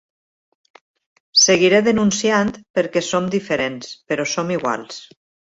Seguiré denunciant perquè som diferents però som iguals!